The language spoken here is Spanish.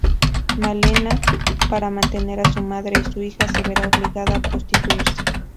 Malena para mantener a su madre y su hija se verá obligada a prostituirse.